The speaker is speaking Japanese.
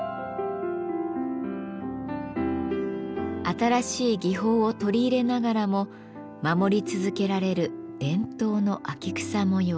新しい技法を取り入れながらも守り続けられる伝統の秋草模様。